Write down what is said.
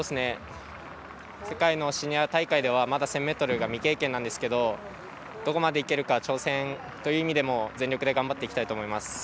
世界のシニア大会では１０００ｍが未経験なんですけどどこまでいけるか挑戦という意味でも全力で頑張っていきたいと思います。